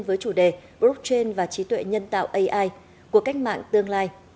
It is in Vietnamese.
với chủ đề brocchain và trí tuệ nhân tạo của cách mạng tương lai